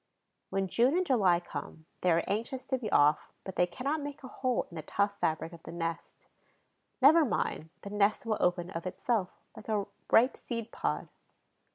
When June and July come, they are anxious to be off, but they cannot make a hole in the tough fabric of the nest. Never mind, the nest will open of itself, like a ripe seed pod.